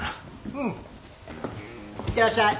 うん。いってらっしゃい。